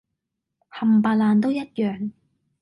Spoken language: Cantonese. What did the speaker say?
冚唪唥都一樣